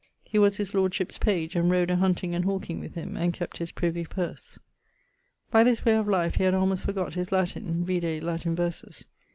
He was his lordship's page, and rode a hunting and hawking with him, and kept his privy purse. By this way of life he had almost forgott his Latin; vide Latin verses.